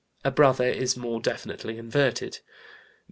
A brother is more definitely inverted.